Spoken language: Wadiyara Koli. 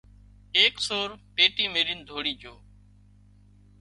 ايڪ سور پيٽي ميلين ڌوڙي جھو